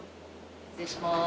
失礼します。